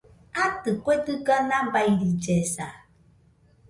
Atɨ , kue dɨga nabairillesa